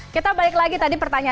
kita balik lagi tadi pertanyaan